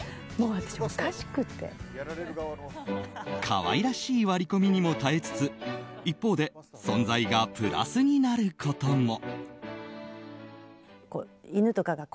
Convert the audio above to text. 可愛らしい割り込みにも耐えつつ一方で存在がプラスになることも。